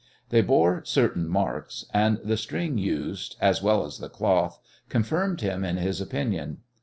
They bore certain marks, and the string used as well as the cloth confirmed him in this opinion.